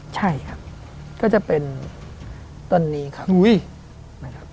ใช่ครับก็จะเป็นต้นนี้ครับ